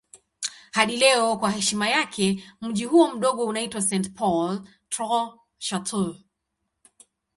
Hadi leo kwa heshima yake mji huo mdogo unaitwa St. Paul Trois-Chateaux.